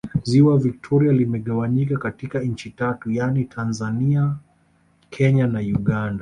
Ziwa Victoria limegawanyika katika nchi tatu yaani Tanzania Kenya na Uganda